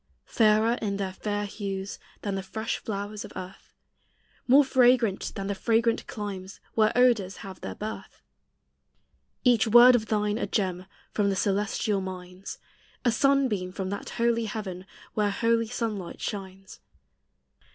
Fairer in their fair hues Than the fresh flowers of earth, More fragrant than the fragrant climes Where odors have their birth. Each word of thine a gem From the celestial mines, A sunbeam from that holy heaven Where holy sunlight shines.